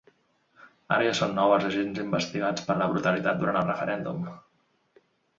Ara ja són nou els agents investigats per la brutalitat durant el referèndum.